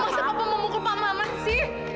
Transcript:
masa papa mau mukul pak maman sih